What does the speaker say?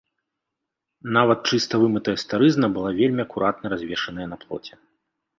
Нават чыста вымытая старызна была вельмі акуратна развешана на плоце.